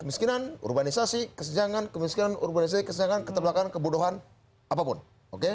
kemiskinan urbanisasi kesenjangan kemiskinan urbanisasi kesenjangan keterbelakangan kebodohan apapun oke